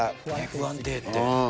不安定って。